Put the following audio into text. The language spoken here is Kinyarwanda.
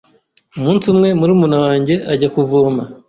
umunsi umwe murumuna wanjye ajya kuvoma